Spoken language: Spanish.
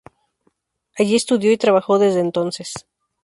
Allí estudió y trabajó desde entonces.